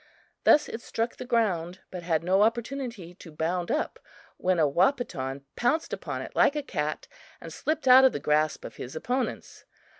Thus it struck the ground, but had no opportunity to bound up when a Wahpeton pounced upon it like a cat and slipped out of the grasp of his opponents.